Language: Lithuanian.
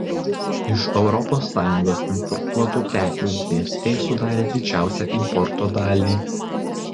Iš Europos Sąjungos importuotų prekių vertė sudarė didžiausią importo dalį.